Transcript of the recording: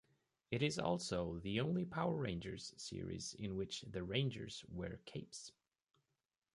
It is also the only "Power Rangers" series in which the Rangers wear capes.